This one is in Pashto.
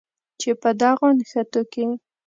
چې په دغو نښتو کې